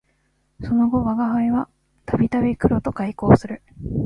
その後吾輩は度々黒と邂逅する